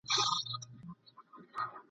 دا کیسې چي دي لیکلي زموږ د ښار دي ..